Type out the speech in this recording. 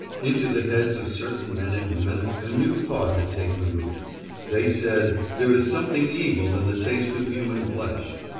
Into the heads of certain men and women a new thought had taken root; they said, 'There is something evil in the taste of human flesh.'